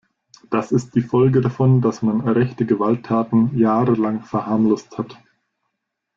Das ist die Folge davon, dass man rechte Gewalttaten jahrelang verharmlost hat.